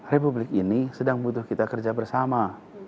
republik ini sedang butuh kita kerja bersama